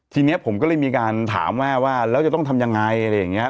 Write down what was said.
ทีนี้ผมก็เลยมีการถามแม่ว่าแล้วจะต้องทำยังไง